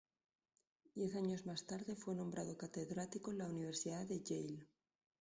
Diez años más tarde fue nombrado catedrático en la Universidad de Yale.